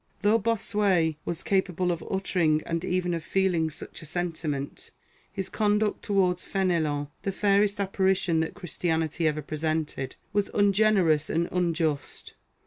t Though Bossuet was capable of uttering and even of feeling such a sentiment, his conduct towards Fenelon, the fairest apparition that Christianity ever presented, was ungenerous and unjust.